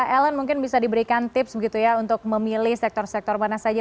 ellen mungkin bisa diberikan tips begitu ya untuk memilih sektor sektor mana saja